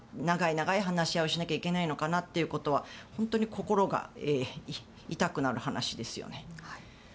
長い長い話し合いをしなければいけないのかなということは本当に心が痛くなる話ですよね。